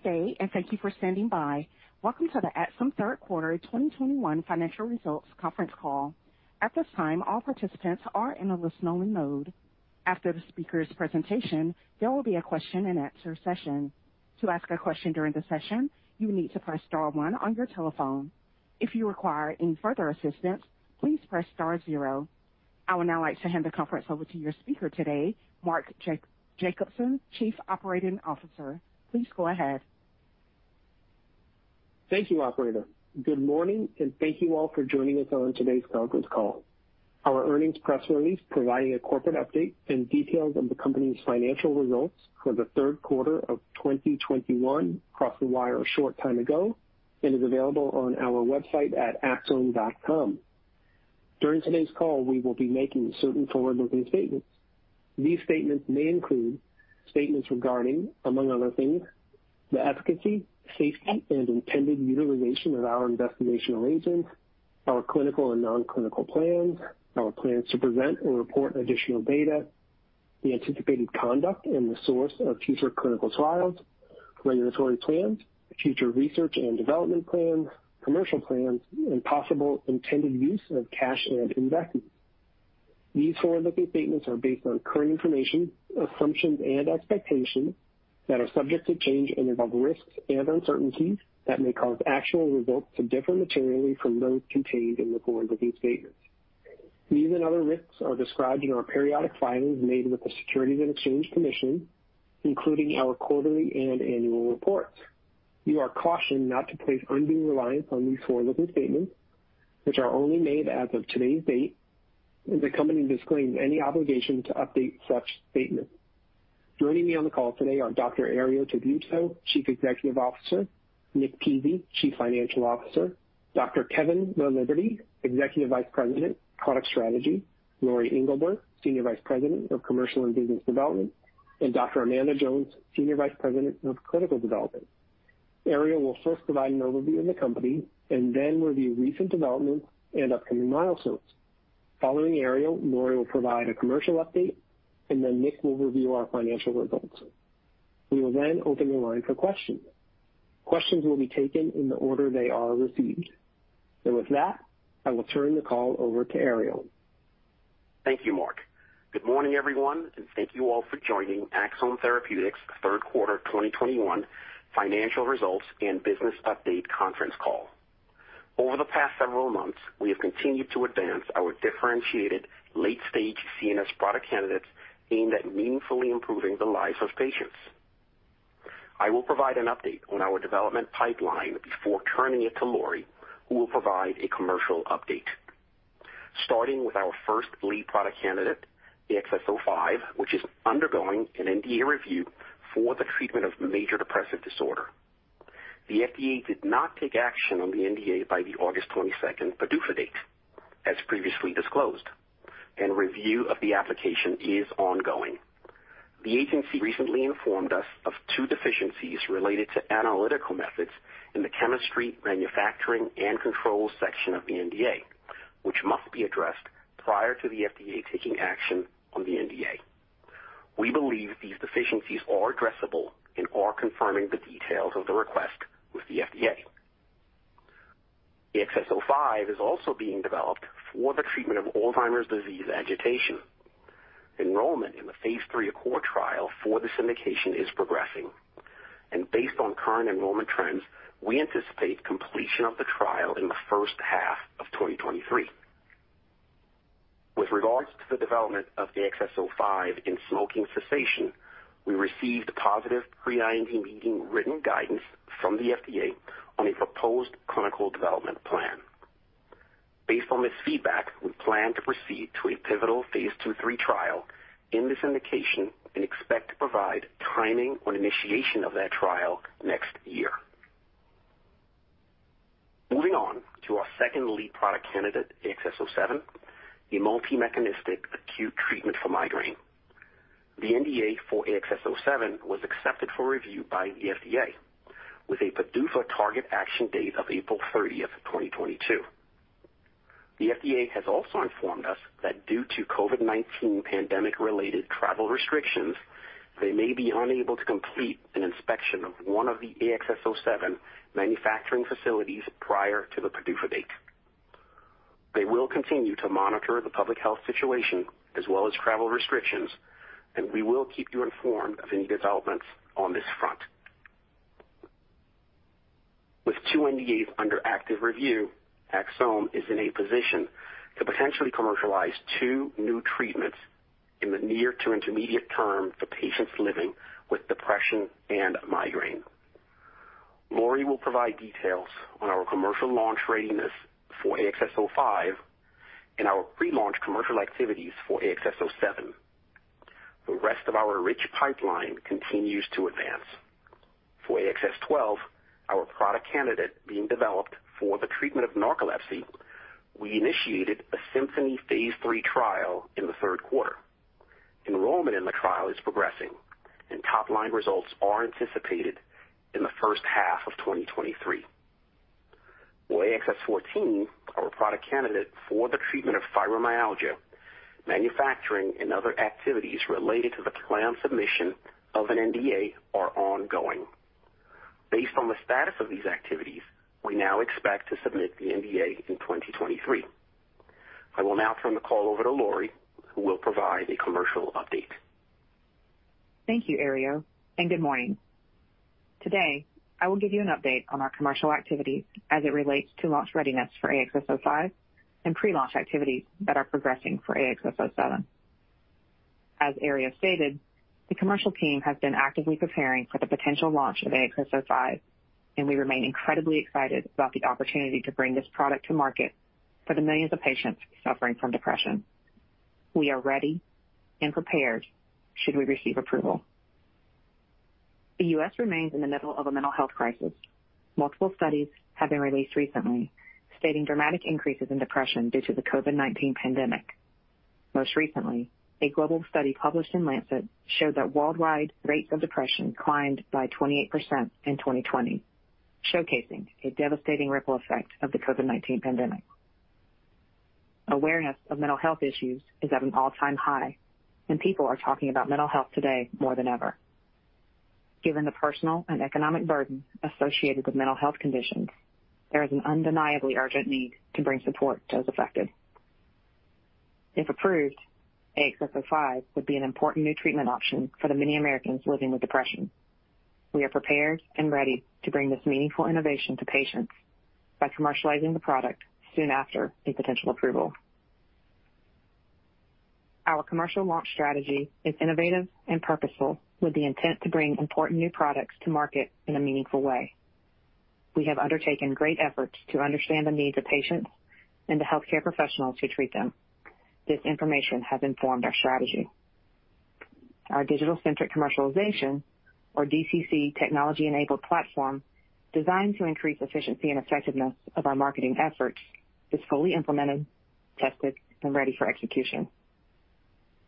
Good day, and thank you for standing by. Welcome to the Axsome Third Quarter 2021 Financial Results Conference Call. At this time, all participants are in a listen-only mode. After the speaker's presentation, there will be a question and answer session. To ask a question during the session, you need to press star one on your telephone. If you require any further assistance, please press star zero. I would now like to hand the conference over to your speaker today, Mark Jacobson, Chief Operating Officer. Please go ahead. Thank you, operator. Good morning, and thank you all for joining us on today's conference call. Our earnings press release providing a corporate update and details of the company's financial results for the third quarter of 2021 crossed the wire a short time ago and is available on our website at axsome.com. During today's call, we will be making certain forward-looking statements. These statements may include statements regarding, among other things, the efficacy, safety, and intended utilization of our investigational agents, our clinical and non-clinical plans, our plans to present or report additional data, the anticipated conduct and the source of future clinical trials, regulatory plans, future research and development plans, commercial plans, and possible intended use of cash and investments. These forward-looking statements are based on current information, assumptions and expectations that are subject to change and involve risks and uncertainties that may cause actual results to differ materially from those contained in the forward-looking statements. These and other risks are described in our periodic filings made with the Securities and Exchange Commission, including our quarterly and annual reports. You are cautioned not to place undue reliance on these forward-looking statements, which are only made as of today's date, and the company disclaims any obligation to update such statements. Joining me on the call today are Dr. Herriot Tabuteau, Chief Executive Officer, Nick Pizzie, Chief Financial Officer, Dr. Kevin Laliberte, Executive Vice President, Product Strategy, Lori Englebert, Senior Vice President of Commercial and Business Development, and Dr. Amanda Jones, Senior Vice President of Clinical Development. Herriot Tabuteau will first provide an overview of the company and then review recent developments and upcoming milestones. Following Herriot Tabuteau, Lori Englebert will provide a commercial update, and then Nick Pizzie will review our financial results. We will then open the line for questions. Questions will be taken in the order they are received. With that, I will turn the call over to Herriot Tabuteau. Thank you, Mark. Good morning, everyone, and thank you all for joining Axsome Therapeutics third quarter 2021 financial results and business update conference call. Over the past several months, we have continued to advance our differentiated late-stage CNS product candidates aimed at meaningfully improving the lives of patients. I will provide an update on our development pipeline before turning it to Lori, who will provide a commercial update. Starting with our first lead product candidate, AXS-05, which is undergoing an NDA review for the treatment of major depressive disorder. The FDA did not take action on the NDA by the August 22 PDUFA date, as previously disclosed, and review of the application is ongoing. The agency recently informed us of two deficiencies related to analytical methods in the chemistry, manufacturing, and control section of the NDA, which must be addressed prior to the FDA taking action on the NDA. We believe these deficiencies are addressable and are confirming the details of the request with the FDA. AXS-05 is also being developed for the treatment of Alzheimer's disease agitation. Enrolment in the phase III ACCORD trial for this indication is progressing. Based on current enrolment trends, we anticipate completion of the trial in the first half of 2023. With regards to the development of the AXS-05 in smoking cessation, we received positive Pre-IND meeting written guidance from the FDA on a proposed clinical development plan. Based on this feedback, we plan to proceed to a pivotal phase II/III trial in this indication and expect to provide timing on initiation of that trial next year. Moving on to our second lead product candidate, AXS-07, a multi-mechanistic acute treatment for migraine. The NDA for AXS-07 was accepted for review by the FDA with a PDUFA target action date of April 30, 2022. The FDA has also informed us that due to COVID-19 pandemic related travel restrictions, they may be unable to complete an inspection of one of the AXS-07 manufacturing facilities prior to the PDUFA date. They will continue to monitor the public health situation as well as travel restrictions, and we will keep you informed of any developments on this front. With two NDAs under active review, Axsome is in a position to potentially commercialize two new treatments in the near to intermediate term for patients living with depression and migraine. Lori will provide details on our commercial launch readiness for AXS-05 and our pre-launch commercial activities for AXS-07. The rest of our rich pipeline continues to advance. For AXS-12, our product candidate being developed for the treatment of narcolepsy, we initiated a SYMPHONY phase III trial in the third quarter. Enrolment in the trial is progressing, and top-line results are anticipated in the first half of 2023. For AXS-14, our product candidate for the treatment of fibromyalgia, manufacturing and other activities related to the planned submission of an NDA are ongoing. Based on the status of these activities, we now expect to submit the NDA in 2023. I will now turn the call over to Lori, who will provide a commercial update. Thank you, Herriot, and good morning. Today, I will give you an update on our commercial activities as it relates to launch readiness for AXS-05 and pre-launch activities that are progressing for AXS-07. As Herriot stated, the commercial team has been actively preparing for the potential launch of AXS-05, and we remain incredibly excited about the opportunity to bring this product to market for the millions of patients suffering from depression. We are ready and prepared should we receive approval. The U.S. remains in the middle of a mental health crisis. Multiple studies have been released recently stating dramatic increases in depression due to the COVID-19 pandemic. Most recently, a global study published in The Lancet showed that worldwide rates of depression climbed by 28% in 2020, showcasing a devastating ripple effect of the COVID-19 pandemic. Awareness of mental health issues is at an all-time high, and people are talking about mental health today more than ever. Given the personal and economic burden associated with mental health conditions, there is an undeniably urgent need to bring support to those affected. If approved, AXS-05 would be an important new treatment option for the many Americans living with depression. We are prepared and ready to bring this meaningful innovation to patients by commercializing the product soon after a potential approval. Our commercial launch strategy is innovative and purposeful with the intent to bring important new products to market in a meaningful way. We have undertaken great efforts to understand the needs of patients and the healthcare professionals who treat them. This information has informed our strategy. Our Digital-Centric Commercialization or DCC technology-enabled platform designed to increase efficiency and effectiveness of our marketing efforts is fully implemented, tested, and ready for execution.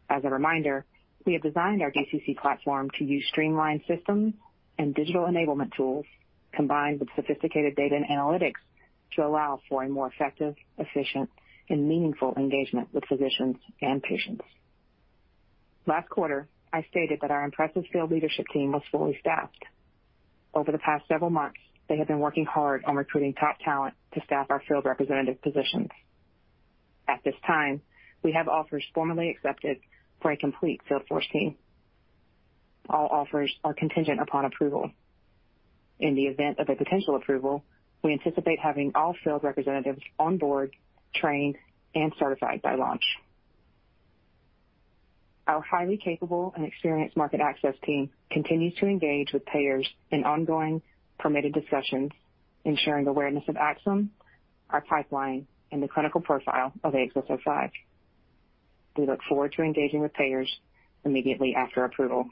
As a reminder, we have designed our DCC platform to use streamlined systems and digital enablement tools combined with sophisticated data and analytics to allow for a more effective, efficient, and meaningful engagement with physicians and patients. Last quarter, I stated that our impressive field leadership team was fully staffed. Over the past several months, they have been working hard on recruiting top talent to staff our field representative positions. At this time, we have offers formally accepted for a complete field force team. All offers are contingent upon approval. In the event of a potential approval, we anticipate having all sales representatives on board, trained, and certified by launch. Our highly capable and experienced market access team continues to engage with payers in ongoing permitted discussions, ensuring awareness of Axsome, our pipeline, and the clinical profile of AXS-05. We look forward to engaging with payers immediately after approval.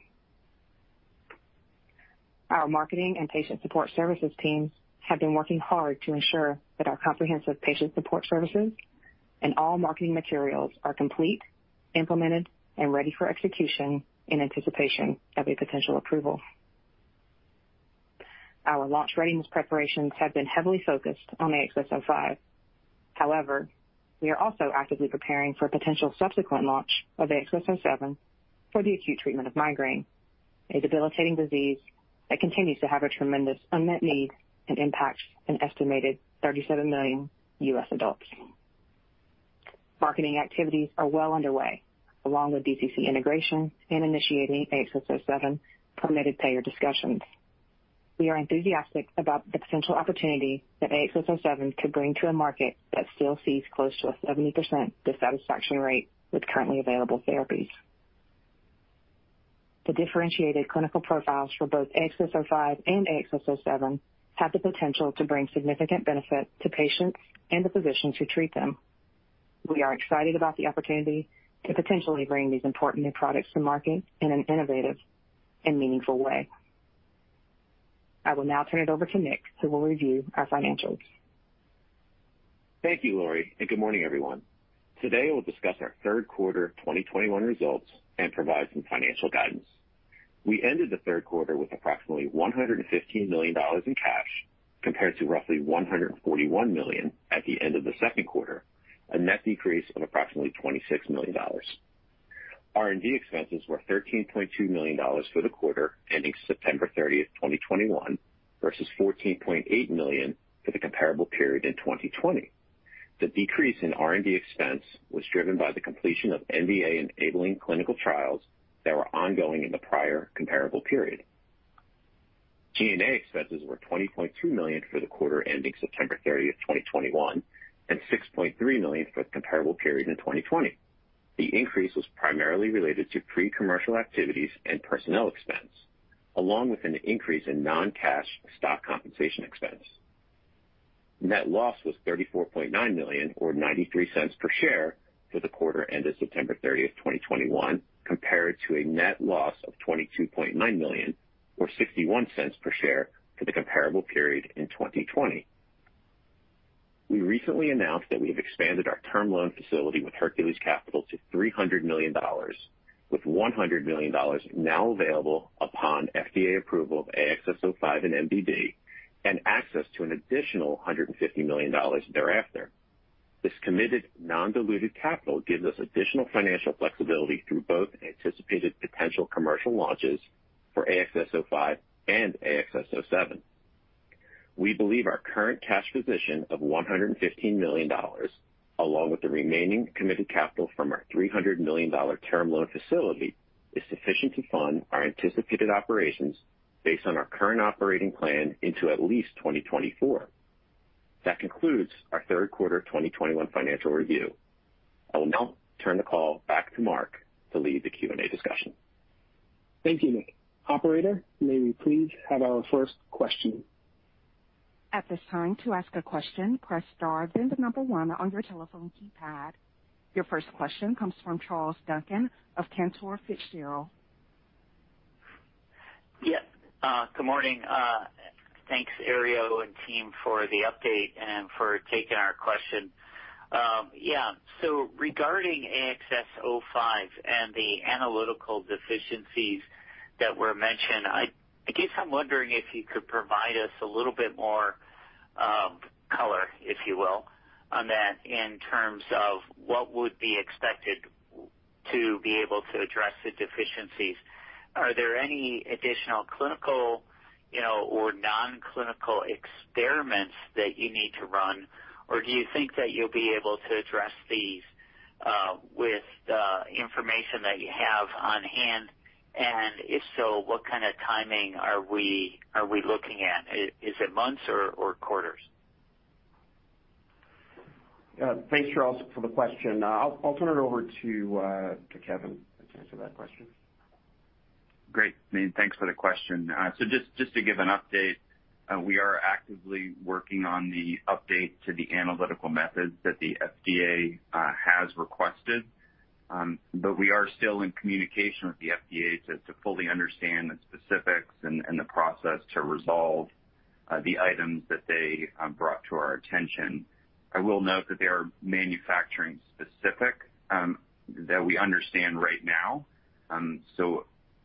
Our marketing and patient support services teams have been working hard to ensure that our comprehensive patient support services and all marketing materials are complete, implemented, and ready for execution in anticipation of a potential approval. Our launch readiness preparations have been heavily focused on AXS-05. However, we are also actively preparing for a potential subsequent launch of AXS-07 for the acute treatment of migraine, a debilitating disease that continues to have a tremendous unmet need and impacts an estimated 37 million U.S. adults. Marketing activities are well underway, along with DCC integration and initiating AXS-07 permitted payer discussions. We are enthusiastic about the potential opportunity that AXS-07 could bring to a market that still sees close to a 70% dissatisfaction rate with currently available therapies. The differentiated clinical profiles for both AXS-05 and AXS-07 have the potential to bring significant benefit to patients and the physicians who treat them. We are excited about the opportunity to potentially bring these important new products to market in an innovative and meaningful way. I will now turn it over to Nick, who will review our financials. Thank you, Lori, and good morning, everyone. Today, we'll discuss our third quarter of 2021 results and provide some financial guidance. We ended the third quarter with approximately $115 million in cash, compared to roughly $141 million at the end of the second quarter, a net decrease of approximately $26 million. R&D expenses were $13.2 million for the quarter ending September 30, 2021 versus $14.8 million for the comparable period in 2020. The decrease in R&D expense was driven by the completion of NDA-enabling clinical trials that were ongoing in the prior comparable period. G&A expenses were $20.2 million for the quarter ending September 30, 2021 and $6.3 million for the comparable period in 2020. The increase was primarily related to pre-commercial activities and personnel expense, along with an increase in non-cash stock compensation expense. Net loss was $34.9 million or $0.93 per share for the quarter ended September 30, 2021, compared to a net loss of $22.9 million or $0.61 per share for the comparable period in 2020. We recently announced that we have expanded our term loan facility with Hercules Capital to $300 million, with $100 million now available upon FDA approval of AXS-05 and MDD and access to an additional $150 million thereafter. This committed non-diluted capital gives us additional financial flexibility through both anticipated potential commercial launches for AXS-05 and AXS-07. We believe our current cash position of $115 million, along with the remaining committed capital from our $300 million term loan facility, is sufficient to fund our anticipated operations based on our current operating plan into at least 2024. That concludes our third quarter 2021 financial review. I will now turn the call back to Mark to lead the Q&A discussion. Thank you, Nick. Operator, may we please have our first question? Your first question comes from Charles Duncan of Cantor Fitzgerald. Yes. Good morning. Thanks, Herriot and team for the update and for taking our question. Yeah. Regarding AXS-05 and the analytical deficiencies that were mentioned, I guess I'm wondering if you could provide us a little bit more color, if you will, on that in terms of what would be expected to be able to address the deficiencies. Are there any additional clinical, you know, or non-clinical experiments that you need to run or do you think that you'll be able to address these with the information that you have on hand? And if so, what kind of timing are we looking at? Is it months or quarters? Thanks, Charles, for the question. I'll turn it over to Kevin to answer that question. Great. I mean, thanks for the question. Just to give an update, we are actively working on the update to the analytical methods that the FDA has requested. We are still in communication with the FDA to fully understand the specifics and the process to resolve the items that they brought to our attention. I will note that they are manufacturing-specific that we understand right now.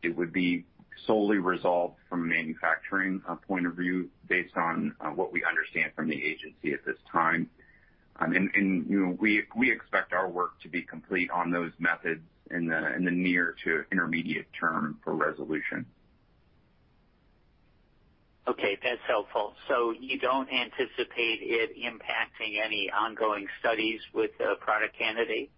It would be solely resolved from a manufacturing point of view based on what we understand from the agency at this time. You know, we expect our work to be complete on those methods in the near to intermediate term for resolution. Okay, that's helpful. You don't anticipate it impacting any ongoing studies with the product candidate?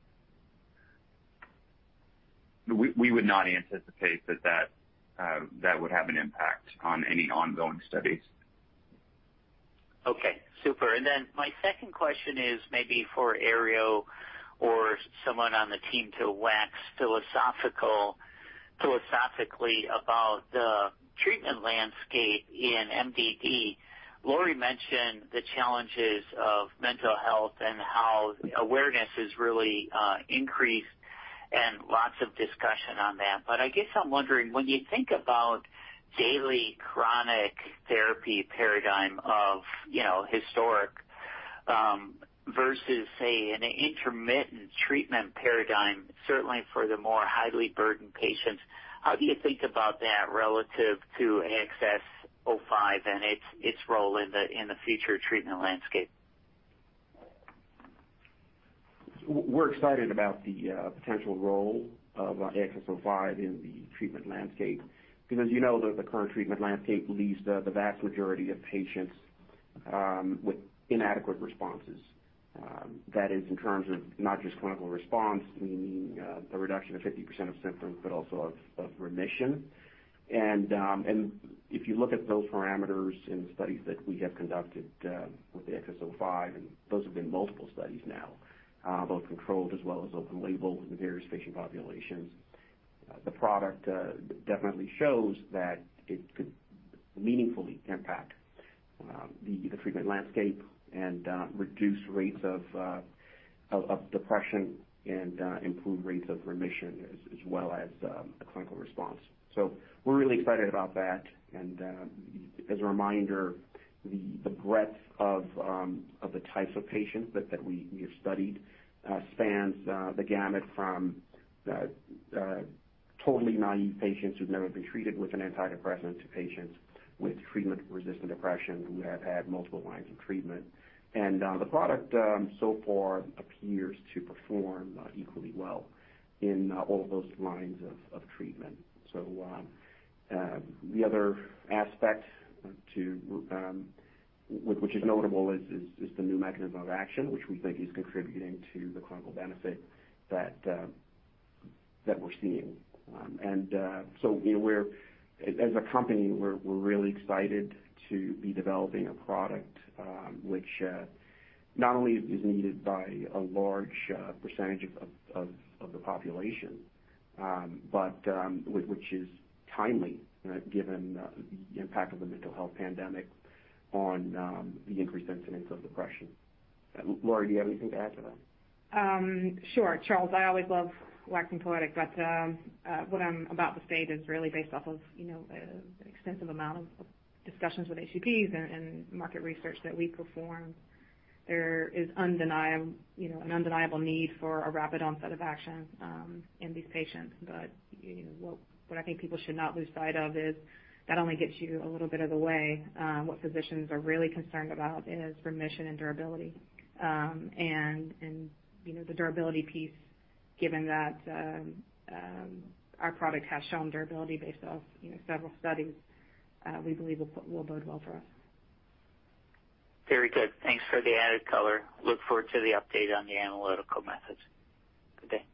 We would not anticipate that would have an impact on any ongoing studies. Okay, super. My second question is maybe for Herriot or someone on the team to wax philosophically about the treatment landscape in MDD. Lori mentioned the challenges of mental health and how awareness has really increased and lots of discussion on that. I guess I'm wondering, when you think about daily chronic therapy paradigm of, you know, historic versus an intermittent treatment paradigm, certainly for the more highly burdened patients, how do you think about that relative to AXS-05 and its role in the future treatment landscape? We're excited about the potential role of AXS-05 in the treatment landscape because you know that the current treatment landscape leaves the vast majority of patients with inadequate responses. That is in terms of not just clinical response, meaning the reduction of 50% of symptoms but also of remission. If you look at those parameters in the studies that we have conducted with the AXS-05, and those have been multiple studies now both controlled as well as open label in the various patient populations. The product definitely shows that it could meaningfully impact the treatment landscape and reduce rates of depression and improve rates of remission as well as a clinical response. We're really excited about that. As a reminder, the breadth of the types of patients that we have studied spans the gamut from totally naive patients who've never been treated with an antidepressant to patients with treatment-resistant depression who have had multiple lines of treatment. The product so far appears to perform equally well in all of those lines of treatment. The other aspect which is notable, is the new mechanism of action which we think is contributing to the clinical benefit that we're seeing. We're... As a company, we're really excited to be developing a product which not only is needed by a large percentage of the population but which is timely given the impact of the mental health pandemic on the increased incidence of depression. Lori, do you have anything to add to that? Sure. Charles, I always love waxing poetic, but what I'm about to state is really based off of, you know, an extensive amount of discussions with HCPs and market research that we perform. There is an undeniable need for a rapid onset of action in these patients. You know, what I think people should not lose sight of is that only gets you a little bit of the way. What physicians are really concerned about is remission and durability. You know, the durability piece, given that our product has shown durability based off, you know, several studies, we believe will bode well for us. Very good. Thanks for the added color. Look forward to the update on the analytical methods. Good day.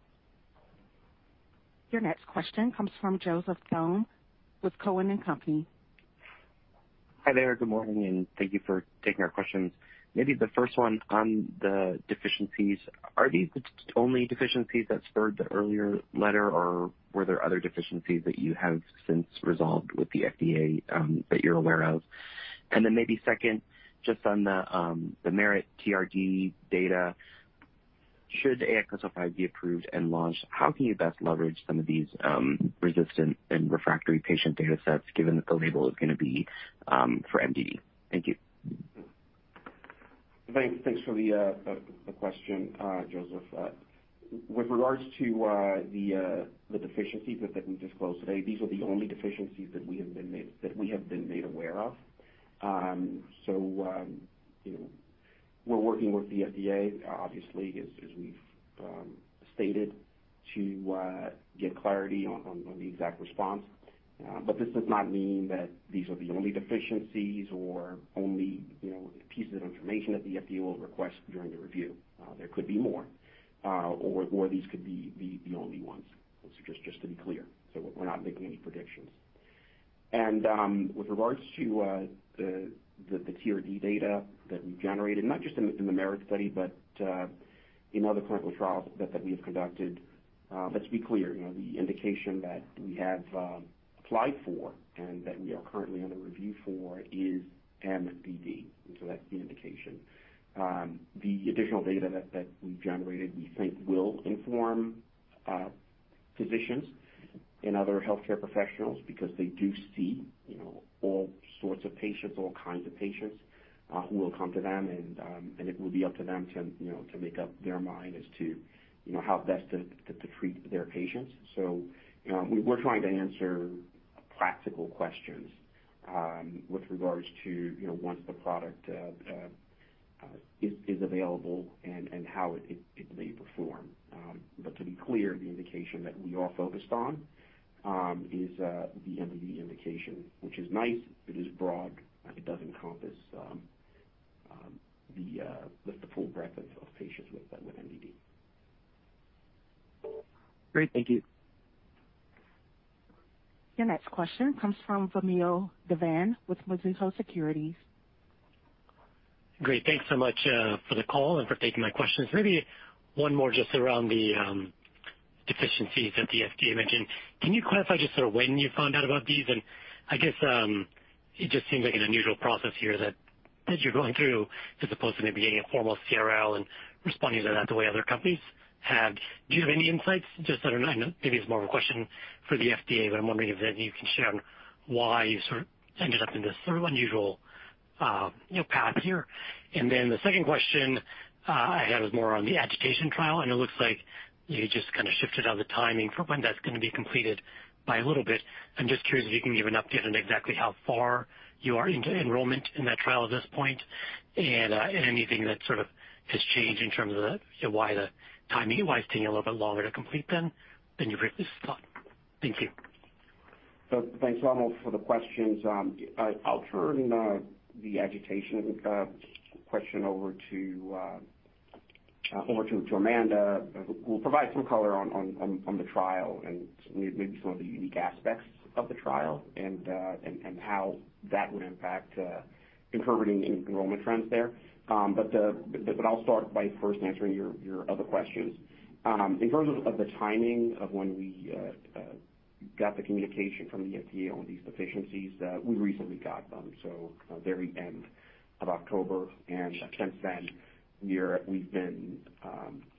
Your next question comes from Joseph Thome with Cowen and Company. Hi there. Good morning, and thank you for taking our questions. Maybe the first one on the deficiencies. Are these the only deficiencies that spurred the earlier letter, or were there other deficiencies that you have since resolved with the FDA, that you're aware of? Maybe second, just on the MERIT TRD data. Should AXS-05 be approved and launched, how can you best leverage some of these resistant and refractory patient data sets given that the label is gonna be for MDD? Thank you. Thanks for the question, Joseph Thome. With regards to the deficiencies that we disclosed today, these are the only deficiencies that we have been made aware of. You know, we're working with the FDA, obviously as we've stated, to get clarity on the exact response but this does not mean that these are the only deficiencies or only, you know, pieces of information that the FDA will request during the review. There could be more, or these could be the only ones. Just to be clear. We're not making any predictions. With regards to the TRD data that we've generated, not just in the MERIT study but in other clinical trials that we have conducted, let's be clear. You know, the indication that we have applied for and that we are currently under review for is MDD. That's the indication. The additional data that we've generated, we think will inform physicians and other healthcare professionals because they do see, you know, all sorts of patients, all kinds of patients, who will come to them and it will be up to them to, you know, to make up their mind as to, you know, how best to treat their patients. You know, we're trying to answer practical questions with regards to, you know, once the product is available and how it may perform. To be clear, the indication that we are focused on is the MDD indication which is nice. It is broad. It does encompass on the full breadth of patients with MDD. Great. Thank you. Your next question comes from Vamil Divan with Mizuho Securities. Great. Thanks so much for the call and for taking my questions. Maybe one more just around the deficiencies that the FDA mentioned. Can you clarify just sort of when you found out about these? And I guess it just seems like an unusual process here that you're going through as opposed to maybe getting a formal CRL and responding to that the way other companies have. Do you have any insights? Just, I don't know. I know maybe it's more of a question for the FDA, but I'm wondering if maybe you can share on why you ended up in this unusual, you know, path here. The second question I had was more on the agitation trial, and it looks like you just shifted out the timing for when that's gonna be completed by a little bit. I'm just curious if you can give an update on exactly how far you are into enrolment in that trial at this point and and anything that sort of has changed in terms of the, why the timing, why it's taking a little bit longer to complete than you previously thought? Thank you. Thanks, Vamil, for the questions. I'll turn the agitation question over to Amanda, who will provide some color on the trial and maybe some of the unique aspects of the trial and how that would impact in current enrolment trends there. I'll start by first answering your other questions. In terms of the timing of when we got the communication from the FDA on these deficiencies, we recently got them, so very end of October. Since then we've been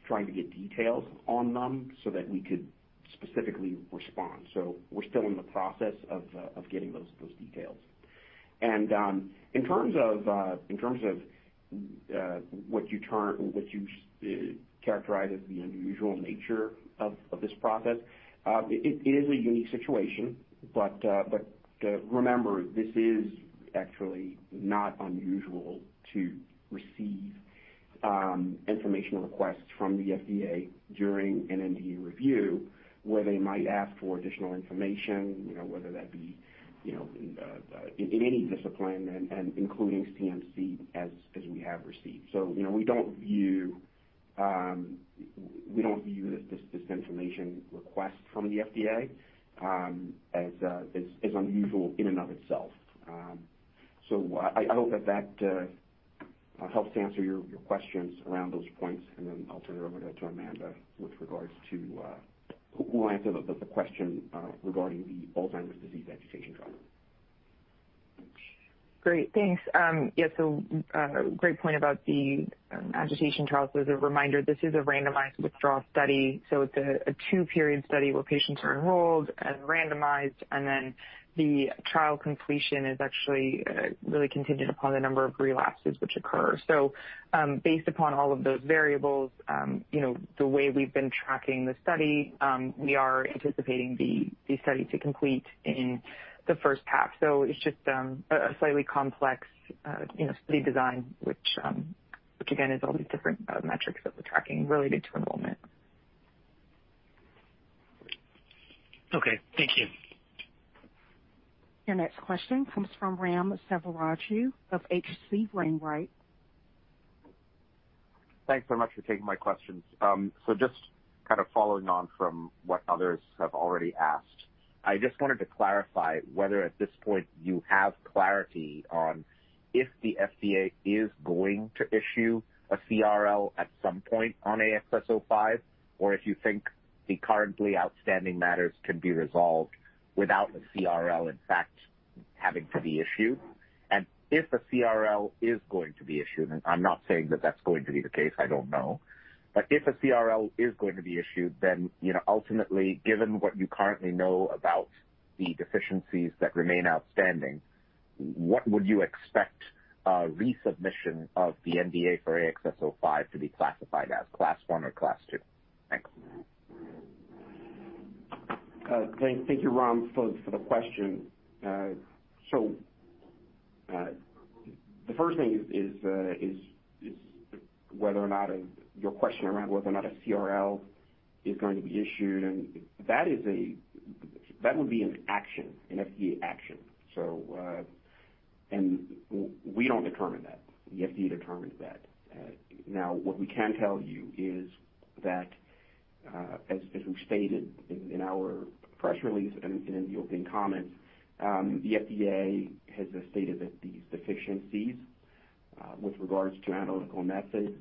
trying to get details on them so that we could specifically respond. We're still in the process of getting those details. In terms of what you characterize as the unusual nature of this process, it is a unique situation. Remember, this is actually not unusual to receive informational requests from the FDA during an NDA review where they might ask for additional information, you know, whether that be, you know, in any discipline and including CMC as we have received. You know, we don't view this information request from the FDA as unusual in and of itself. I hope that helps to answer your questions around those points, and then I'll turn it over to Amanda with regards to who will answer the question regarding the Alzheimer's disease agitation trial. Great, thanks. Yeah, great point about the agitation trials. As a reminder, this is a randomized withdrawal study, so it's a two-period study where patients are enrolled and randomized, and then the trial completion is actually really contingent upon the number of relapses which occur. Based upon all of those variables, you know, the way we've been tracking the study, we are anticipating the study to complete in the first half. It's just a slightly complex, you know, study design which again has all these different metrics that we're tracking related to enrolment. Okay, thank you. Your next question comes from Ram Selvaraju of H.C. Wainwright. Thanks so much for taking my questions. So just kind of following on from what others have already asked, I just wanted to clarify whether, at this point, you have clarity on if the FDA is going to issue a CRL at some point on AXS-05, or if you think the currently outstanding matters can be resolved without a CRL, in fact, having to be issued? If a CRL is going to be issued, and I'm not saying that that's going to be the case, I don't know but if a CRL is going to be issued, then, you know, ultimately, given what you currently know about the deficiencies that remain outstanding, what would you expect a resubmission of the NDA for AXS-05 to be classified as, Class 1 or Class 2? Thanks. Thank you, Ram, for the question. The first thing is whether or not a CRL is going to be issued, and that would be an FDA action. We don't determine that. The FDA determines that. Now, what we can tell you is that, as we've stated in our press release and in the opening comments, the FDA has stated that these deficiencies with regards to analytical methods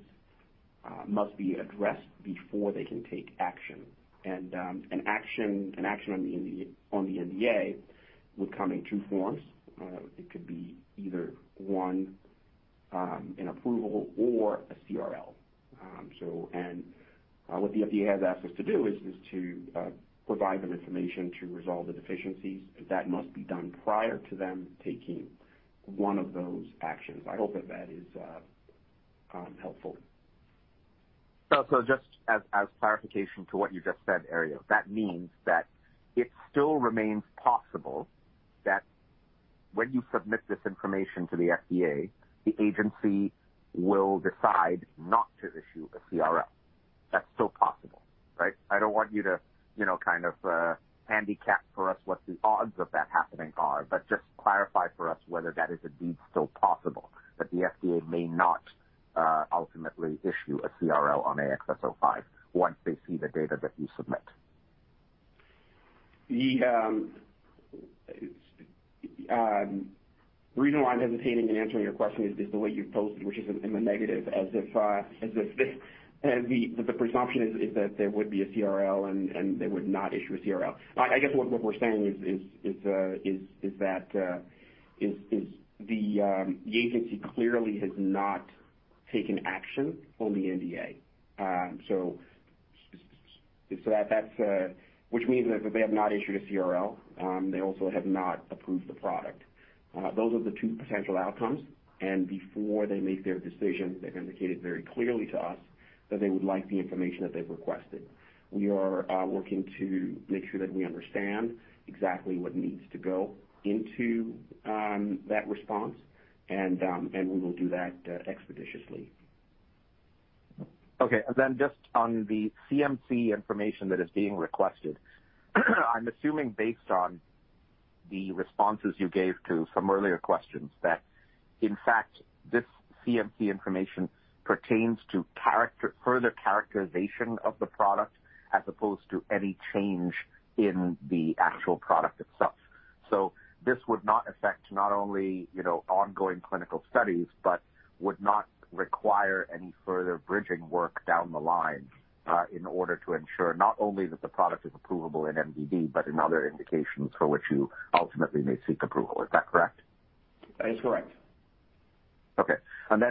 must be addressed before they can take action. An action on the NDA would come in two forms. It could be either one, an approval or a CRL. What the FDA has asked us to do is to provide them information to resolve the deficiencies, but that must be done prior to them taking one of those actions. I hope that is helpful. Just as clarification to what you just said, Herriot, that means that it still remains possible that when you submit this information to the FDA, the agency will decide not to issue a CRL. That's still possible, right? I don't want you to, you know, kind of, handicap for us what the odds of that happening are but just clarify for us whether that is indeed still possible, that the FDA may not ultimately issue a CRL on AXS-05 once they see the data that you submit? The reason why I'm hesitating in answering your question is the way you've posed it, which is in the negative as if the presumption is that there would be a CRL and they would not issue a CRL. I guess what we're saying is that the agency clearly has not taken action on the NDA. So that means that they have not issued a CRL. They also have not approved the product. Those are the two potential outcomes. Before they make their decision, they've indicated very clearly to us that they would like the information that they've requested. We are working to make sure that we understand exactly what needs to go into that response and we will do that expeditiously. Okay. Just on the CMC information that is being requested, I'm assuming based on the responses you gave to some earlier questions that, in fact, this CMC information pertains to further characterization of the product as opposed to any change in the actual product itself. This would not affect not only, you know, ongoing clinical studies but would not require any further bridging work down the line, in order to ensure not only that the product is approvable in MDD but in other indications for which you ultimately may seek approval. Is that correct? That is correct. Okay.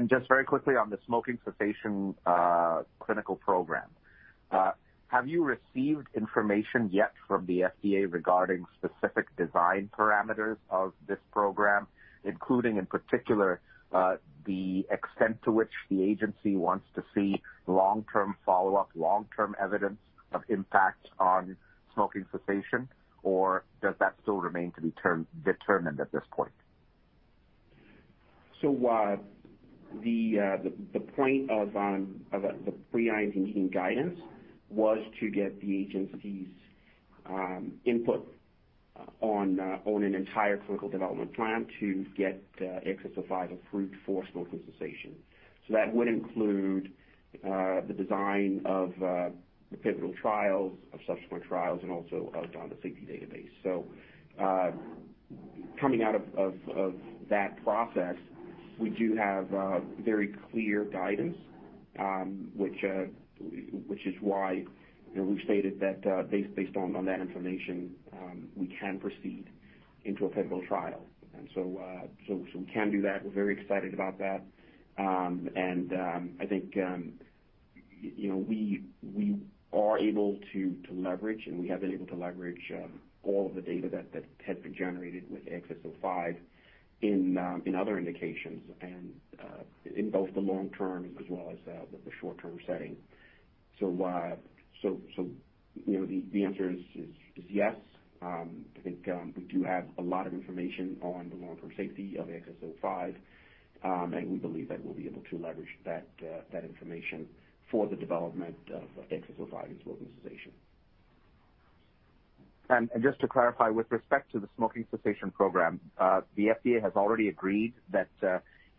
Just very quickly on the smoking cessation clinical program, have you received information yet from the FDA regarding specific design parameters of this program, including, in particular, the extent to which the agency wants to see long-term follow-up, long-term evidence of impact on smoking cessation, or does that still remain to be determined at this point? The point of the Pre-IND meeting guidance was to get the agency's input on an entire clinical development plan to get AXS-05 approved for smoking cessation. That would include the design of the pivotal trials, of subsequent trials, and also the safety database. Coming out of that process, we do have very clear guidance which is why we've stated that, based on that information, we can proceed into a pivotal trial. We can do that. We're very excited about that. I think you know we are able to leverage and we have been able to leverage all of the data that has been generated with AXS-05 in other indications and in both the long-term as well as the short-term setting. You know, the answer is yes. I think we do have a lot of information on the long-term safety of AXS-05 and we believe that we'll be able to leverage that information for the development of AXS-05 in smoking cessation. Just to clarify, with respect to the smoking cessation program, the FDA has already agreed that,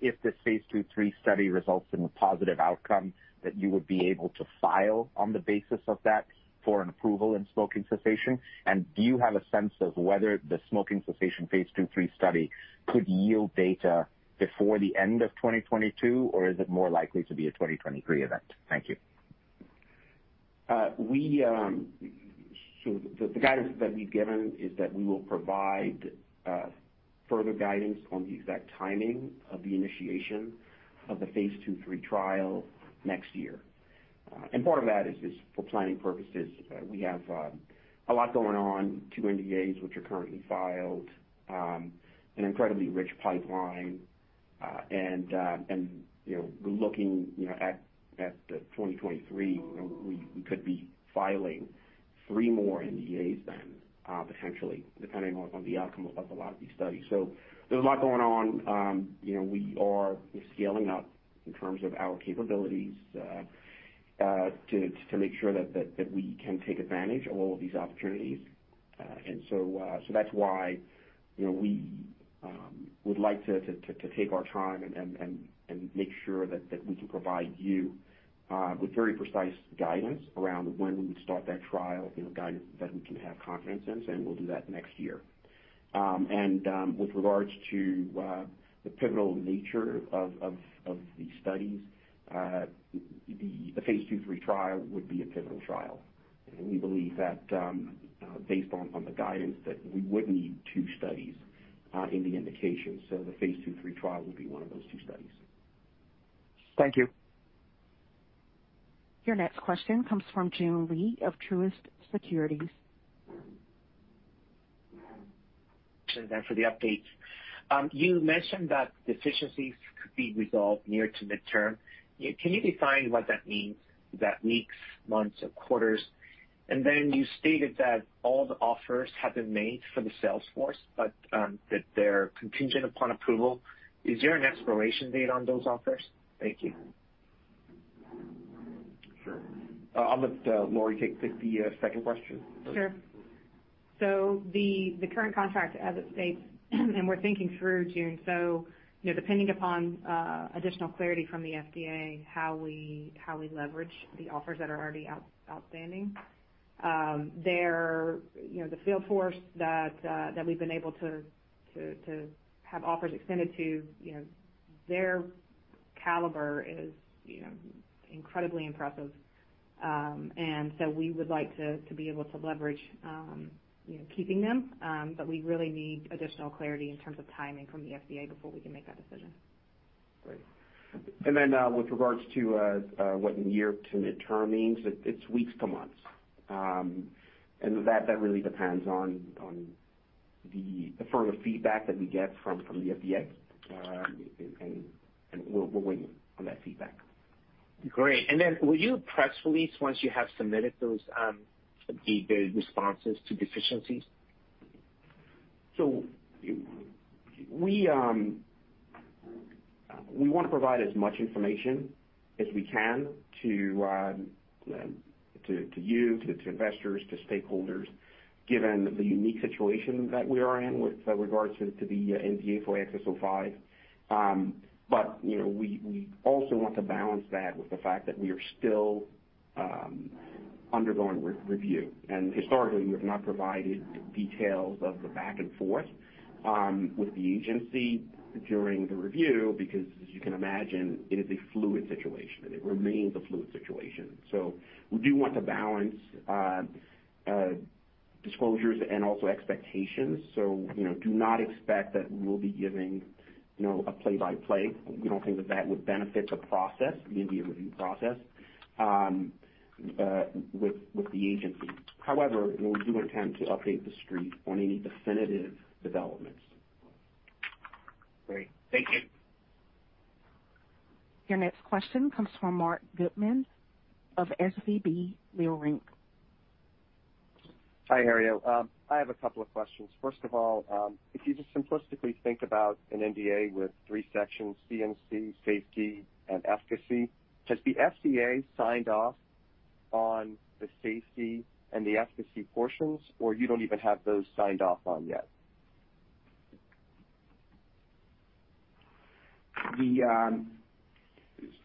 if this phase II/III study results in a positive outcome, that you would be able to file on the basis of that for an approval in smoking cessation. Do you have a sense of whether the smoking cessation phase II/III study could yield data before the end of 2022, or is it more likely to be a 2023 event? Thank you. The guidance that we've given is that we will provide further guidance on the exact timing of the initiation of the phase II/III trial next year. Part of that is for planning purposes. We have a lot going on, two NDAs, which are currently filed, an incredibly rich pipeline. You know, looking, you know, at the 2023, you know, we could be filing three more NDAs then, potentially, depending on the outcome of a lot of these studies. There's a lot going on. You know, we are scaling up in terms of our capabilities to make sure that we can take advantage of all of these opportunities. That's why, you know, we would like to take our time and make sure that we can provide you with very precise guidance around when we would start that trial, you know, guidance that we can have confidence in, and we'll do that next year. With regards to the pivotal nature of the studies, the phase II/III trial would be a pivotal trial. We believe that based on the guidance, that we would need two studies in the indication. The phase II/III trial would be one of those two studies. Thank you. Your next question comes from Joon Lee of Truist Securities. Thanks for the updates. You mentioned that deficiencies could be resolved near to midterm. Can you define what that means? Is that weeks, months or quarters? You stated that all the offers have been made for the sales force but that they're contingent upon approval. Is there an expiration date on those offers? Thank you. Sure. I'll let Lori take the second question. Sure. The current contract as it states, and we're thinking through, Joon. You know, depending upon additional clarity from the FDA, how we leverage the offers that are already outstanding. They're you know the field force that we've been able to have offers extended to, you know their calibre is incredibly impressive. We would like to be able to leverage you know keeping them. We really need additional clarity in terms of timing from the FDA before we can make that decision. Great. With regards to what near to midterm means, it's weeks to months. That really depends on the further feedback that we get from the FDA. We'll wait on that feedback. Great. Will you press release once you have submitted those the responses to deficiencies? We want to provide as much information as we can to you, to investors, to stakeholders, given the unique situation that we are in with regards to the NDA for AXS-05. You know, we also want to balance that with the fact that we are still undergoing re-review. Historically, we have not provided details of the back and forth with the agency during the review because as you can imagine, it is a fluid situation and it remains a fluid situation. We do want to balance disclosures and also expectations. You know, do not expect that we'll be giving, you know, a play-by-play. We don't think that that would benefit the process, the NDA review process with the agency. However, we do intend to update the street on any definitive developments. Great. Thank you. Your next question comes from Marc Goodman of SVB Leerink. Hi, Herriot. I have a couple of questions. First of all, if you just simplistically think about an NDA with three sections, CMC, safety, and efficacy, has the FDA signed off on the safety and the efficacy portions, or you don't even have those signed off on yet?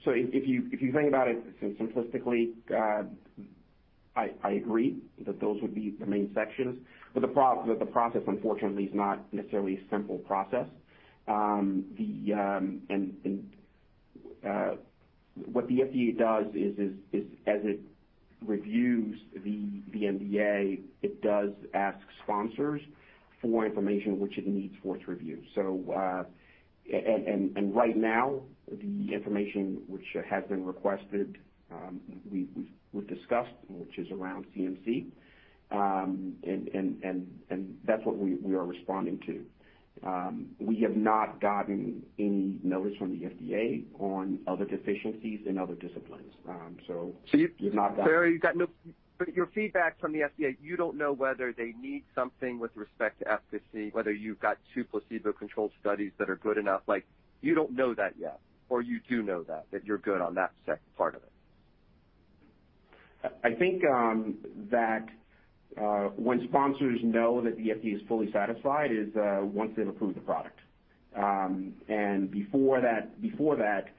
If you think about it simplistically, I agree that those would be the main sections but the process, unfortunately is not necessarily a simple process. What the FDA does is as it reviews the NDA, it does ask sponsors for information which it needs for its review. Right now, the information which has been requested, we've discussed, which is around CMC, and that's what we are responding to. We have not gotten any notice from the FDA on other deficiencies in other disciplines. We've not got- Herriot, your feedback from the FDA, you don't know whether they need something with respect to efficacy whether you've got two placebo-controlled studies that are good enough. Like, you don't know that yet, or you do know that you're good on that second part of it. I think that when sponsors know that the FDA is fully satisfied is once they've approved the product. Before that,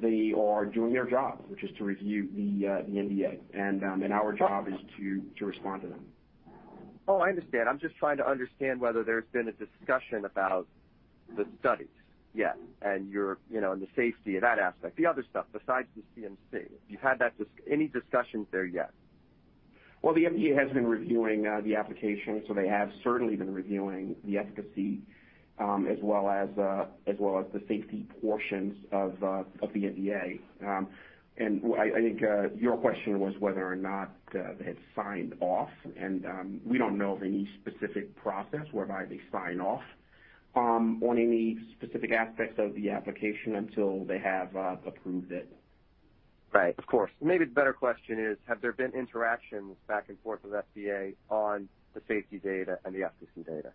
they are doing their job which is to review the NDA. Okay. And our job is to respond to them. Oh, I understand. I'm just trying to understand whether there's been a discussion about the studies yet and your, you know, and the safety of that aspect. The other stuff besides the CMC. You've had that any discussions there yet? Well, the FDA has been reviewing the application, so they have certainly been reviewing the efficacy as well as the safety portions of the NDA. I think your question was whether or not they had signed off. We don't know of any specific process whereby they sign off on any specific aspects of the application until they have approved it. Right. Of course. Maybe the better question is, have there been interactions back and forth with FDA on the safety data and the efficacy data?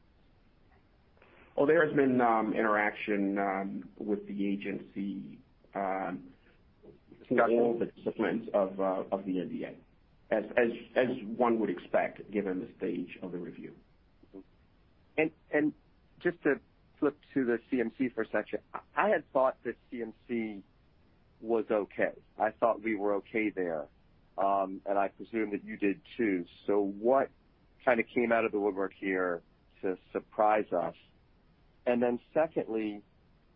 Well, there has been interaction with the agency. Discussion. Through all the disciplines of the NDA, as one would expect given the stage of the review. Just to flip to the CMC for a second, I had thought that CMC was okay. I thought we were okay there and I presume that you did too. What came out of the woodwork here to surprise us? Then secondly,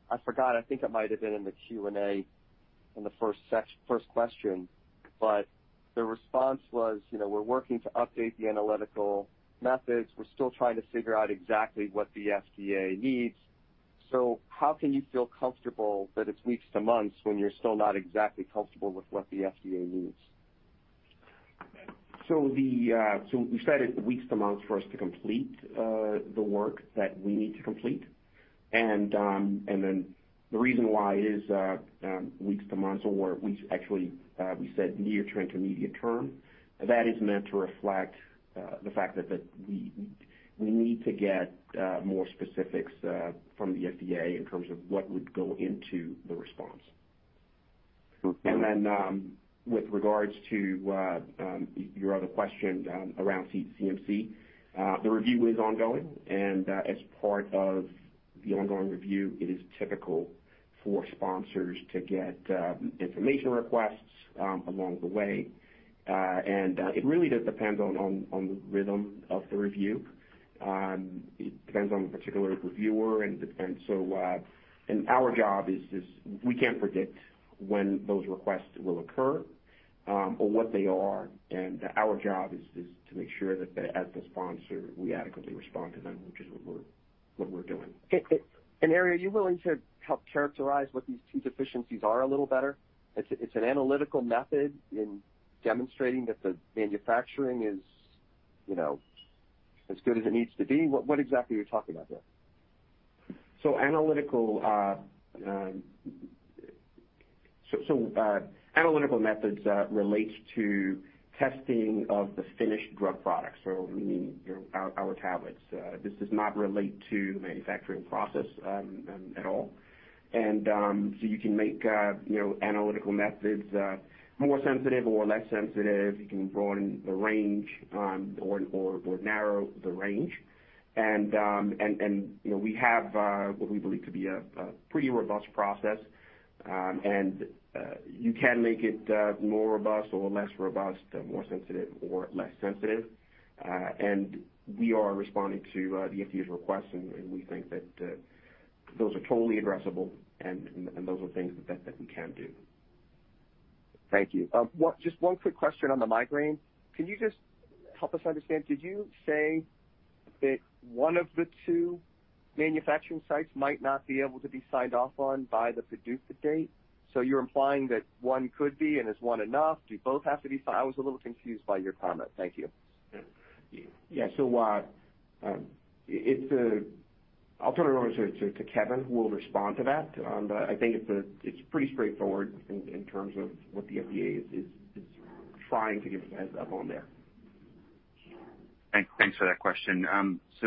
I forgot, I think it might have been in the Q&A in the first question but the response was, you know, we're working to update the analytical methods. We're still trying to figure out exactly what the FDA needs. How can you feel comfortable that it's weeks to months when you're still not exactly comfortable with what the FDA needs? We said it's weeks to months for us to complete the work that we need to complete. The reason why it is weeks to months, we said near-term to intermediate term, that is meant to reflect the fact that we need to get more specifics from the FDA in terms of what would go into the response. Okay. With regards to your other question around CMC, the review is ongoing. As part of the ongoing review, it is typical for sponsors to get information requests along the way. It really just depends on the rhythm of the review. It depends on the particular reviewer and so. Our job is we can't predict when those requests will occur or what they are. Our job is to make sure that as the sponsor, we adequately respond to them which is what we're doing. Herriot, are you willing to help characterize what these two deficiencies are a little better? It's an analytical method in demonstrating that the manufacturing is, you know, as good as it needs to be. What exactly are you talking about there? Analytical methods relates to testing of the finished drug products. Meaning, you know, our tablets. This does not relate to manufacturing process at all. You can make analytical methods more sensitive or less sensitive. You can broaden the range or narrow the range. You know, we have what we believe to be a pretty robust process. You can make it more robust or less robust, more sensitive or less sensitive. We are responding to the FDA's request and we think that those are totally addressable and those are things that we can do. Thank you. Just one quick question on the migraine. Can you just help us understand, did you say that one of the two manufacturing sites might not be able to be signed off on by the PDUFA date? You're implying that one could be and is one enough? Do you both have to be signed? I was a little confused by your comment. Thank you. Yeah. I'll turn it over to Kevin, who will respond to that. I think it's pretty straightforward in terms of what the FDA is trying to get us up on there. Thanks for that question.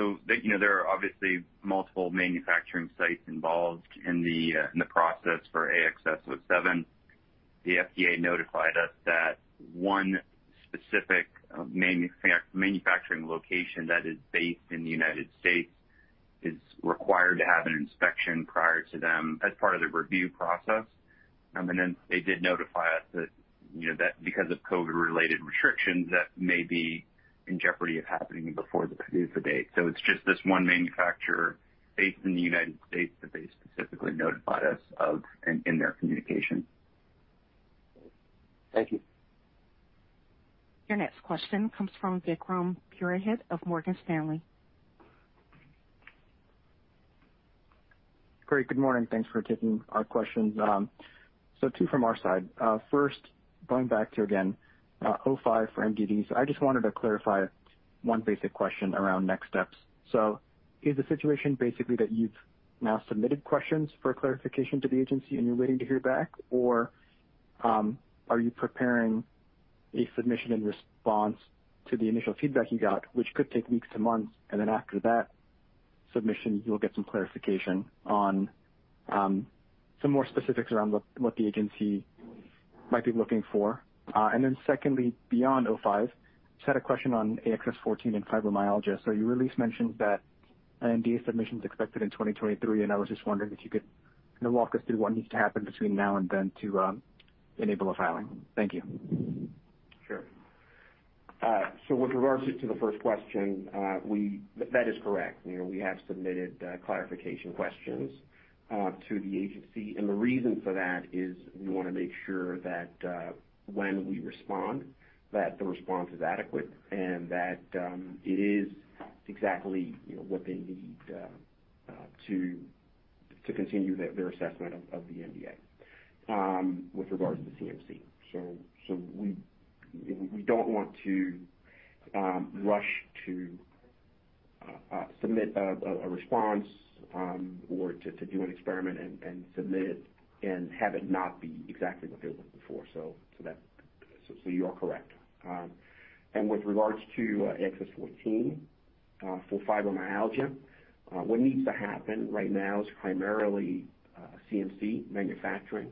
You know, there are obviously multiple manufacturing sites involved in the process for AXS-07. The FDA notified us that one specific manufacturing location that is based in the United States is required to have an inspection prior to them as part of the review process. They did notify us that, you know, that because of COVID-related restrictions, that may be in jeopardy of happening before the PDUFA date. It's just this one manufacturer based in the United States that they specifically notified us of in their communication. Thank you. Your next question comes from Vikram Purohit of Morgan Stanley. Great. Good morning. Thanks for taking our questions. Two from our side. First, going back to, again, AXS-05 for MDDs. I just wanted to clarify one basic question around next steps. Is the situation basically that you've now submitted questions for clarification to the agency and you're waiting to hear back or, are you preparing a submission in response to the initial feedback you got which could take weeks to months and then after that submission, you'll get some clarification on some more specifics around what the agency might be looking for. Then secondly, beyond AXS-05, just had a question on AXS-14 and fibromyalgia. Your release mentions that an NDA submission is expected in 2023, and I was just wondering if you could, you know, walk us through what needs to happen between now and then to enable a filing. Thank you. Sure. So with regards to the first question, that is correct. You know, we have submitted clarification questions to the agency. The reason for that is we wanna make sure that when we respond, that the response is adequate and that it is exactly what they need to continue their assessment of the NDA with regards to the CMC. We don't want to rush to submit a response or to do an experiment and submit it and have it not be exactly what they're looking for. You are correct. With regards to AXS-14 for fibromyalgia, what needs to happen right now is primarily CMC manufacturing.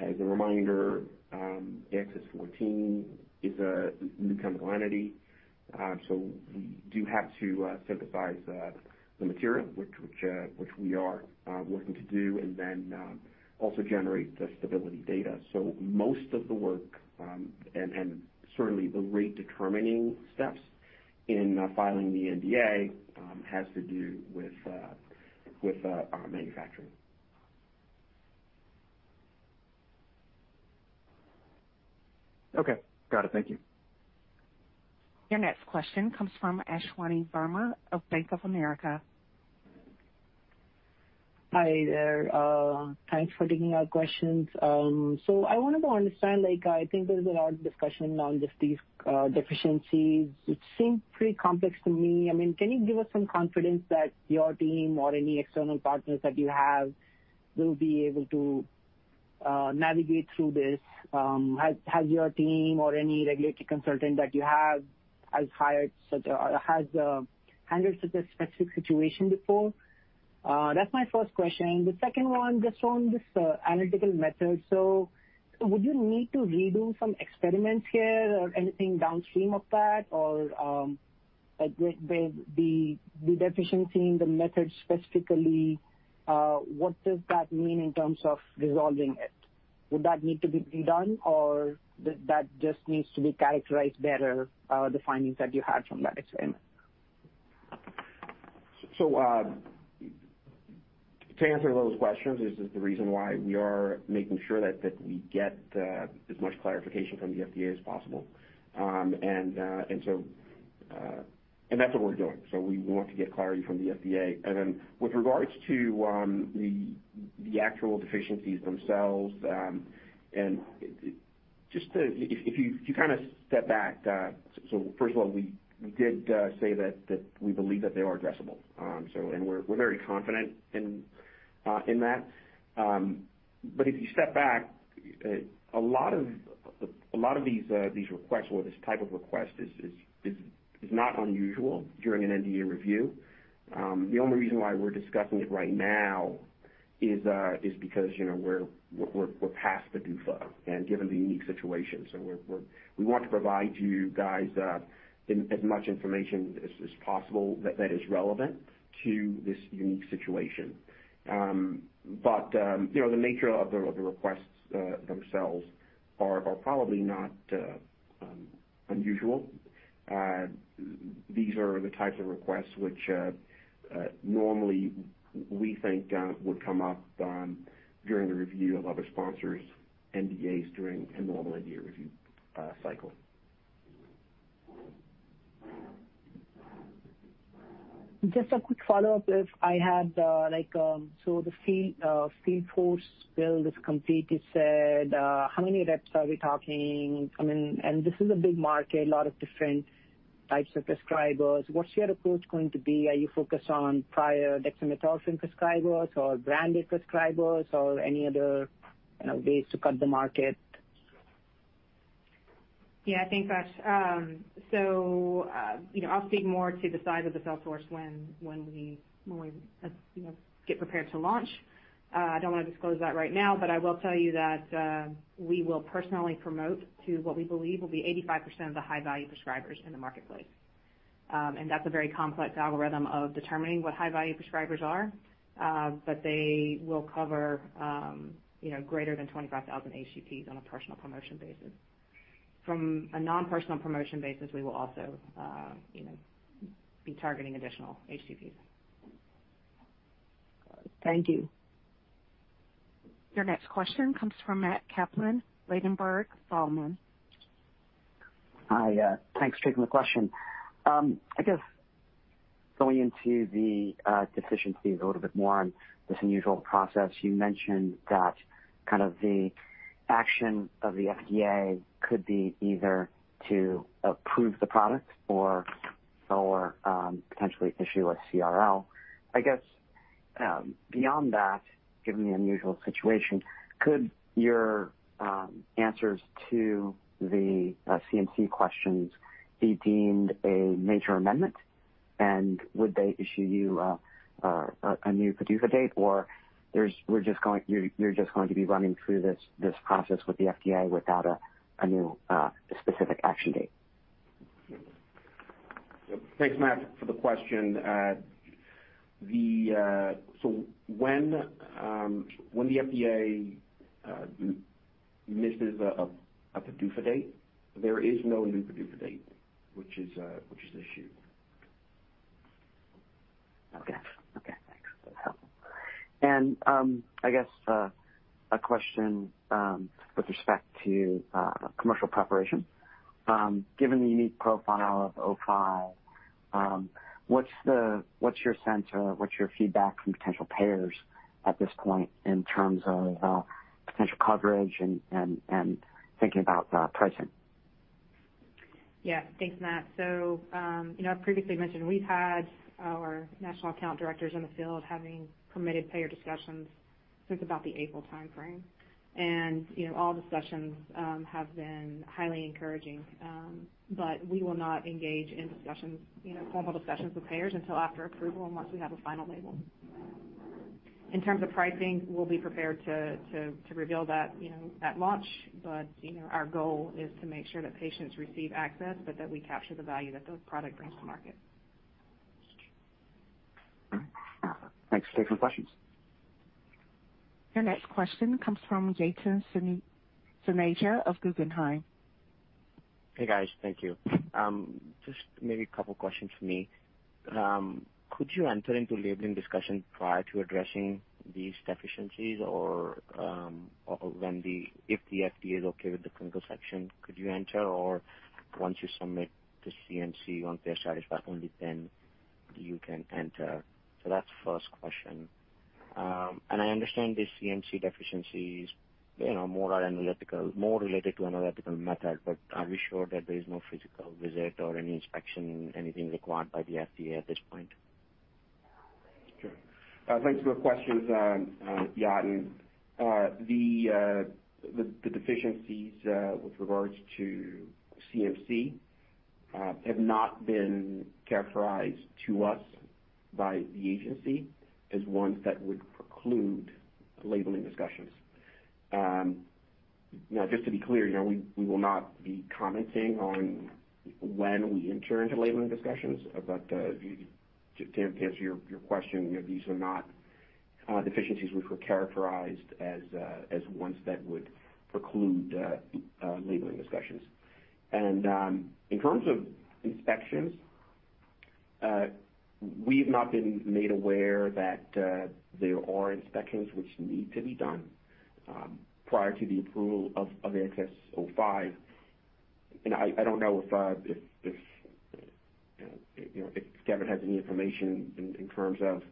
As a reminder, AXS-14 is a new chemical entity, so we do have to synthesize the material which we are working to do and then also generate the stability data. Most of the work and certainly the rate determining steps in filing the NDA has to do with our manufacturing. Okay. Got it. Thank you. Your next question comes from Ashwani Verma of Bank of America. Hi there. Thanks for taking our questions. I wanted to understand, like, I think there's a lot of discussion on just these deficiencies which seem pretty complex to me. I mean, can you give us some confidence that your team or any external partners that you have will be able to navigate through this? Has your team or any regulatory consultant that you have handled such a specific situation before? That's my first question. The second one, just on this analytical method. Would you need to redo some experiments here or anything downstream of that or, like, with the deficiency in the method specifically, what does that mean in terms of resolving it? Would that need to be redone or that just needs to be characterized better, the findings that you had from that experiment? To answer those questions is the reason why we are making sure that we get as much clarification from the FDA as possible. That's what we're doing. We want to get clarity from the FDA. Then with regards to the actual deficiencies themselves. If you kind of step back, first of all, we did say that we believe that they are addressable. We're very confident in that. If you step back, a lot of these requests or this type of request is not unusual during an NDA review. The only reason why we're discussing it right now is because, you know, we're past the PDUFA and given the unique situation. We want to provide you guys in as much information as possible that is relevant to this unique situation. You know, the nature of the requests themselves are probably not unusual. These are the types of requests which normally we think would come up during the review of other sponsors NDAs during a normal NDA review cycle. Just a quick follow-up, so the field force build is complete, you said. How many reps are we talking? I mean, this is a big market, a lot of different types of prescribers. What's your approach going to be? Are you focused on prior dextromethorphan prescribers or branded prescribers or any other, you know, ways to cut the market? Yeah, thanks, Ash. I'll speak more to the size of the sales force when we get prepared to launch. I don't want to disclose that right now but I will tell you that we will personally promote to what we believe will be 85% of the high value prescribers in the marketplace. That's a very complex algorithm of determining what high value prescribers are. They will cover greater than 25,000 HCPs on a personal promotion basis. From a non-personal promotion basis, we will also be targeting additional HCPs. Thank you. Your next question comes from Matt Kaplan, Ladenburg Thalmann. Hi, thanks for taking the question. I guess going into the deficiencies a little bit more on this unusual process. You mentioned that kind of the action of the FDA could be either to approve the product or potentially issue a CRL. I guess beyond that, given the unusual situation, could your answers to the CMC questions be deemed a major amendment? And would they issue you a new PDUFA date or you're just going to be running through this process with the FDA without a new specific action date? Thanks, Matt, for the question. When the FDA misses a PDUFA date, there is no new PDUFA date which is an issue. Okay. Thanks. That's helpful. I guess a question with respect to commercial preparation. Given the unique profile of AXS-05, what's your sense or what's your feedback from potential payers at this point in terms of potential coverage and thinking about pricing? Yeah. Thanks, Matt. You know, I previously mentioned we've had our national account directors in the field having permitted payer discussions since about the April timeframe. You know, all the sessions have been highly encouraging. We will not engage in discussions, you know, formal discussions with payers until after approval and once we have a final label. In terms of pricing, we'll be prepared to reveal that, you know, at launch. You know, our goal is to make sure that patients receive access, but that we capture the value that the product brings to market. All right. Thanks for the questions. Your next question comes from Yatin Suneja of Guggenheim. Hey, guys. Thank you. Just maybe a couple questions from me. Could you enter into labeling discussion prior to addressing these deficiencies or, if the FDA is okay with the clinical section, could you enter or once you submit the CMC, once they're satisfied, only then you can enter? That's first question. I understand the CMC deficiencies, you know, more analytical, more related to analytical method but are we sure that there is no physical visit or any inspection, anything required by the FDA at this point? Sure. Thanks for the questions, Yatin. The deficiencies with regards to CMC have not been characterized to us by the agency as ones that would preclude labelling discussions. Now, just to be clear, you know, we will not be commenting on when we enter into labelling discussions. To answer your question, you know, these are not deficiencies which were characterized as ones that would preclude labelling discussions. In terms of inspections, we've not been made aware that there are inspections which need to be done prior to the approval of AXS-05. I don't know if you know if Kevin has any information in terms of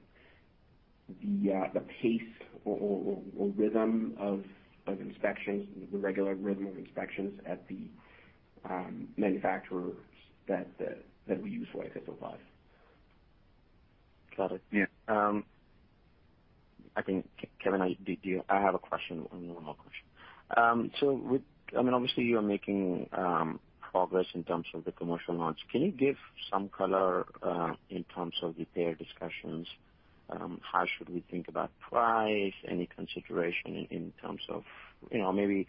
the pace or rhythm of inspections, the regular rhythm of inspections at the manufacturers that we use for AXS-05. Got it. Yeah. I think, Kevin, I have a question, one more question. I mean, obviously, you are making progress in terms of the commercial launch. Can you give some color in terms of the payer discussions? How should we think about price? Any consideration in terms of, you know, maybe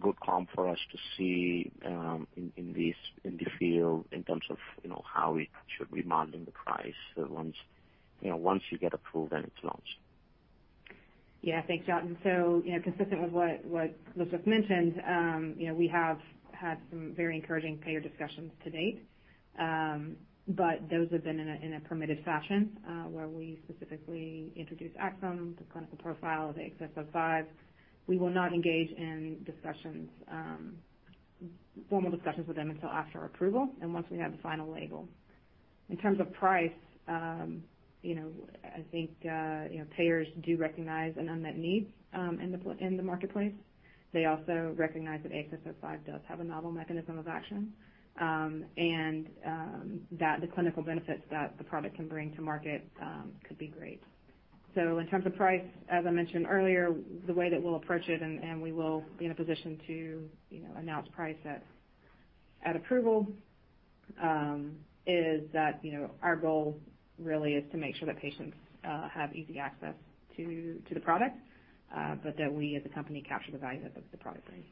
good comp for us to see in the field in terms of, you know, how we should be modelling the price once you get approved and it's launched? Yeah. Thanks, Yatin. You know, consistent with what Joseph mentioned, we have had some very encouraging payer discussions to date. Those have been in a permitted fashion, where we specifically introduce Axsome, the clinical profile of AXS-05. We will not engage in formal discussions with them until after approval and once we have the final label. In terms of price, you know, I think payers do recognize an unmet need in the marketplace. They also recognize that AXS-05 does have a novel mechanism of action and that the clinical benefits that the product can bring to market could be great. In terms of price, as I mentioned earlier, the way that we'll approach it and we will be in a position to, you know, announce price at approval, is that, you know, our goal really is to make sure that patients have easy access to the product. That we as a company capture the value that the product brings.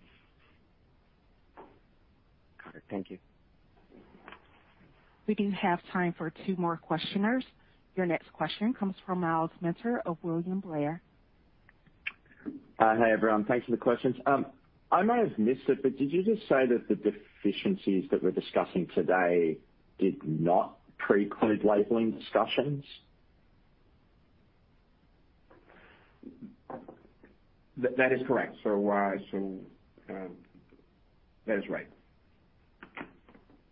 Got it. Thank you. We do have time for two more questioners. Your next question comes from Myles Minter of William Blair. Hi, everyone. Thanks for the questions. I might have missed it but did you just say that the deficiencies that we're discussing today did not preclude labeling discussions? That is correct. That is right.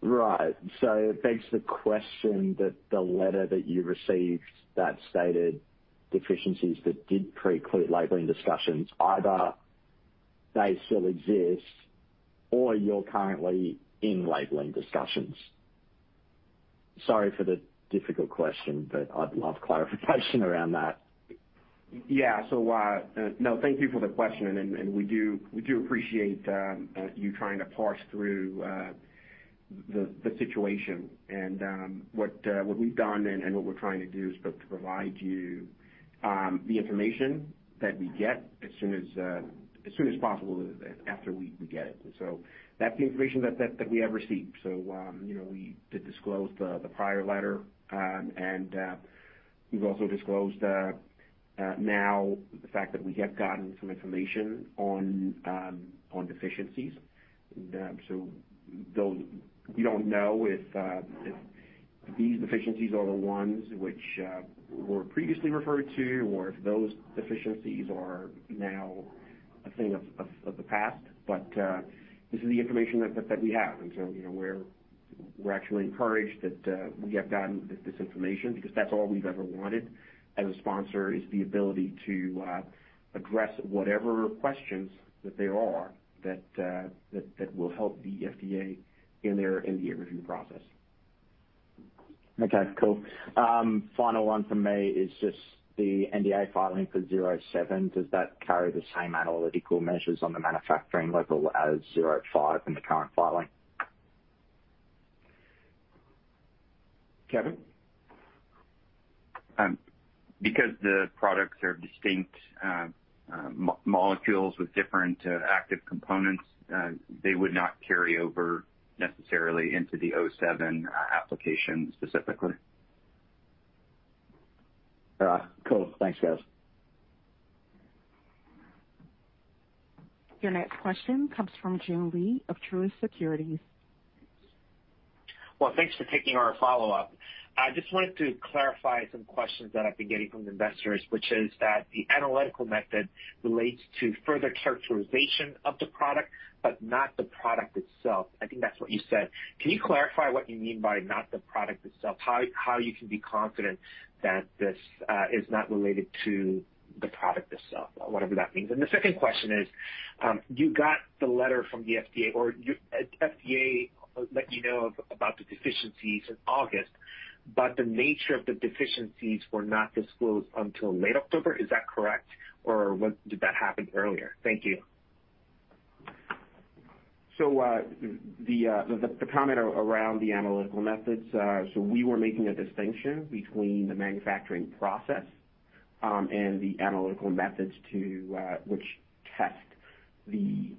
Right. It begs the question that the letter that you received that stated deficiencies that did preclude labelling discussions, either they still exist or you're currently in labelling discussions. Sorry for the difficult question, but I'd love clarification around that. Yeah. No, thank you for the question. We do appreciate you trying to parse through the situation. What we've done and what we're trying to do is but to provide you the information that we get as soon as possible after we get it. That's the information that we have received. You know, we did disclose the prior letter, and we've also disclosed now the fact that we have gotten some information on deficiencies. Though we don't know if these deficiencies are the ones which were previously referred to or if those deficiencies are now a thing of the past, this is the information that we have. You know, we're actually encouraged that we have gotten this information because that's all we've ever wanted as a sponsor, is the ability to address whatever questions that there are that will help the FDA in their review process. Okay. Cool. Final one from me is just the NDA filing for AXS-07. Does that carry the same analytical measures on the manufacturing level as AXS-05 in the current filing? Kevin? Because the products are distinct molecules with different active components, they would not carry over necessarily into the AXS-07 application specifically. All right. Cool. Thanks, guys. Your next question comes from Joon Lee of Truist Securities. Well, thanks for taking our follow-up. I just wanted to clarify some questions that I've been getting from the investors which is that the analytical method relates to further characterization of the product but not the product itself. I think that's what you said. Can you clarify what you mean by not the product itself? How you can be confident that this is not related to the product itself, whatever that means. The second question is, you got the letter from the FDA, or the FDA let you know about the deficiencies in August, but the nature of the deficiencies were not disclosed until late October. Is that correct or when did that happen earlier? Thank you. The comment around the analytical methods. We were making a distinction between the manufacturing process and the analytical methods to which test the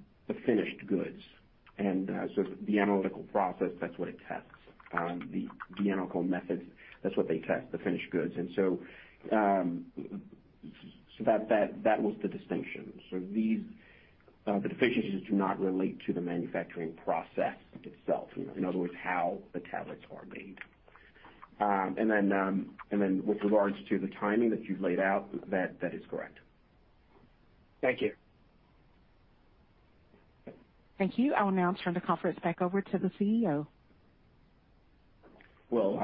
finished goods. The analytical process, that's what it tests. The analytical methods, that's what they test, the finished goods. That was the distinction. These deficiencies do not relate to the manufacturing process itself. You know, in other words, how the tablets are made. With regards to the timing that you've laid out, that is correct. Thank you. Thank you. I'll now turn the conference back over to the CEO. Well,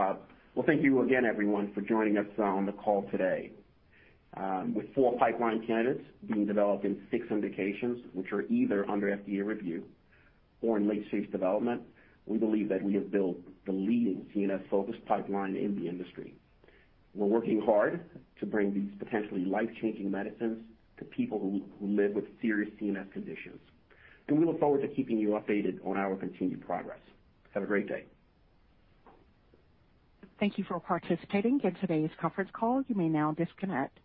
thank you again everyone for joining us on the call today. With four pipeline candidates being developed in six indications which are either under FDA review or in late-stage development, we believe that we have built the leading CNS-focused pipeline in the industry. We're working hard to bring these potentially life-changing medicines to people who live with serious CNS conditions. We look forward to keeping you updated on our continued progress. Have a great day. Thank you for participating in today's conference call. You may now disconnect.